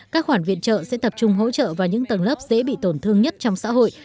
các khoản viện trợ sẽ tập trung hỗ trợ vào những tầng lớp dễ bị tổn thương nhất trong xã hội